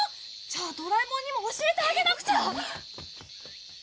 じゃあドラえもんにも教えてあげなくちゃ！